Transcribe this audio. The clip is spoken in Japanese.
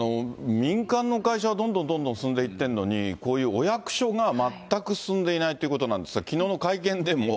民間の会社はどんどんどんどん進んでいってるのに、こういうお役所が全く進んでいないってことなんですが、きのうの会見でも。